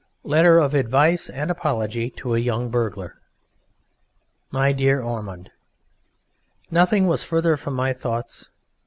LETTER OF ADVICE AND APOLOGY TO A YOUNG BURGLAR My dear Ormond, Nothing was further from my thoughts.